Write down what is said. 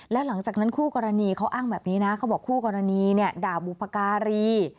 แล้วหลังจากนั้นคู่กรณีเขาอ้างแบบนี้นะเขาบอกคู่กรณีเนี่ยด่าบุพการี